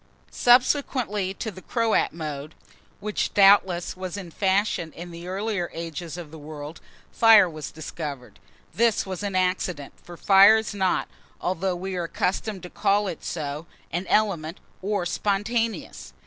SUBSEQUENTLY TO THE CROAT MODE, which, doubtless, was in fashion in the earlier ages of the world, fire was discovered. This was an accident; for fire is not, although we are accustomed to call it so, an element, or spontaneous.